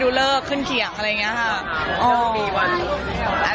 เลิกขึ้นเขียงอะไรอย่างนี้ค่ะ